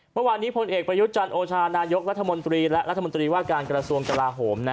เมื่อวานนี้พลเอกประยุทธ์จันทร์โอชานายกรัฐมนตรีและรัฐมนตรีว่าการกระทรวงกลาโหม